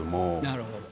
なるほど。